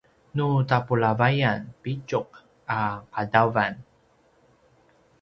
nu tapulavayan pitju a qadawan